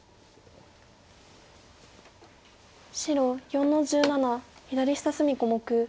白４の十七左下隅小目。